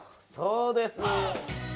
そうです。